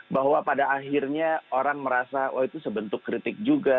bahwa pada akhirnya orang merasa oh itu sebentuk kritik juga